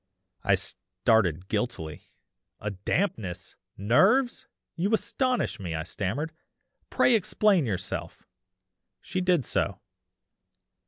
"I started guiltily. 'A dampness! Nerves! you astonish me,' I stammered, 'pray explain yourself.' She did so.